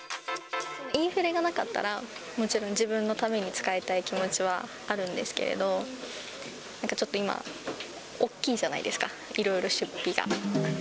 インフレがなかったら、もちろん自分のために使いたい気持ちはあるんですけれども、なんかちょっと今、おっきいじゃないですか、いろいろ出費が。